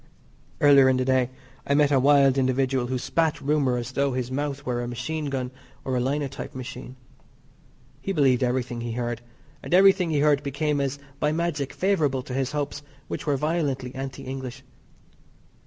Earlier in the day I met a wild individual who spat rumour as though his mouth were a machine gun or a linotype machine. He believed everything he heard; and everything he heard became as by magic favourable to his hopes, which were violently anti English.